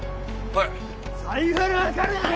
おい！